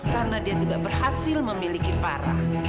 karena dia tidak berhasil memiliki farah